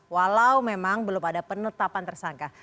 walau memang belum ada penetapan tersangka